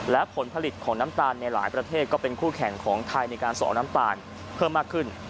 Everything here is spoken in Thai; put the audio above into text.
และผลผลิตของน้ำตาลในหลายประเทศก็เป็นคู่แข่งของไทยในการสอน้ำตาลเพิ่มมากขึ้น